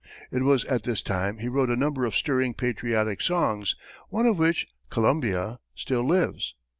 It was at this time he wrote a number of stirring patriotic songs, one of which, "Columbia," still lives.